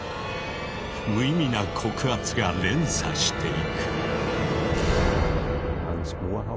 無意味な告発が連鎖していく。